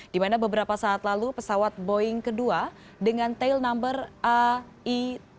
dimana beberapa saat lalu pesawat boeing kedua dengan tail number ai tujuh ribu satu ratus empat